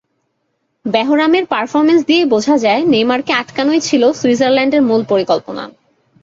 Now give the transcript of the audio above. বেহরামির performance দিয়েই বোঝা যায়, নেইমারকে আটকানোই ছিল সুইজারল্যান্ডের মূল পরিকল্পনা।